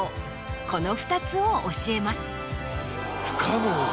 この２つを教えます。